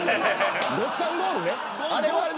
ごっつぁんゴールね。